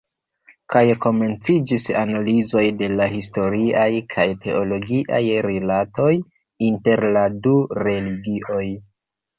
Kaj komenciĝis analizoj de la historiaj kaj teologiaj rilatoj inter la du religioj.